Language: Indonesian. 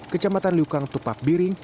kecamatan lukang tupak biring